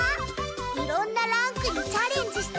いろんなランクにチャレンジして。